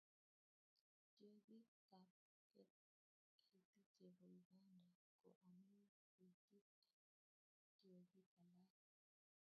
tyong'ikab kerti chebo Uganda ko amei ketik ak tyong'ik alak